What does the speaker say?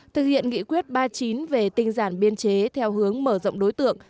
thực hiện nghị quyết ba mươi chín về tinh giản biên chế theo hướng mở rộng đối tượng